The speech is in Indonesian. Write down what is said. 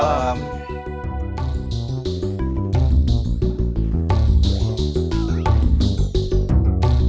sampai jumpa belum tau